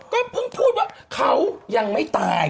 ก็เพิ่งพูดว่าเขายังไม่ตาย